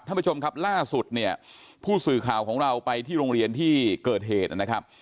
ท่านผู้ชมครับล่าสุดเนี่ยผู้สื่อข่าวของเราไปที่โรงเรียนที่เกิดเหตุนะครับ